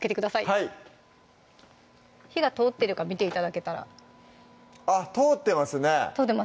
はい火が通ってるか見て頂けたらあっ通ってますね